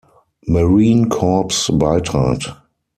Marine Corps beitrat.